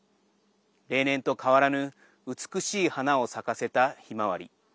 例年と変わらぬ美しい花を咲かせたひまわり。